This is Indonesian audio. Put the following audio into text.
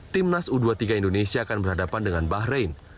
timnas u dua puluh tiga indonesia akan berhadapan dengan bahrain